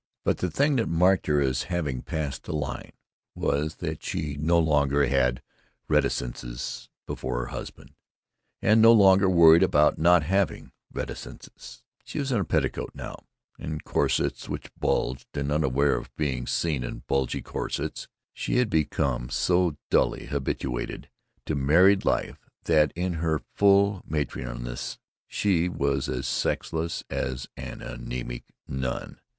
But the thing that marked her as having passed the line was that she no longer had reticences before her husband, and no longer worried about not having reticences. She was in a petticoat now, and corsets which bulged, and unaware of being seen in bulgy corsets. She had become so dully habituated to married life that in her full matronliness she was as sexless as an anemic nun.